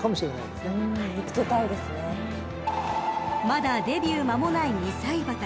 ［まだデビュー間もない２歳馬たち］